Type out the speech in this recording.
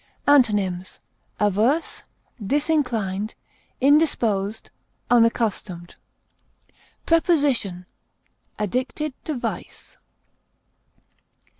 Antonyms: averse, disinclined, indisposed, unaccustomed. Preposition: Addicted to vice.